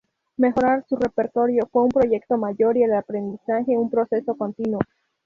Mejorar su repertorio fue un proyecto mayor y el aprendizaje, un proceso continuo.